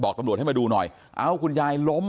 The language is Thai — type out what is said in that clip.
ตำรวจให้มาดูหน่อยเอ้าคุณยายล้ม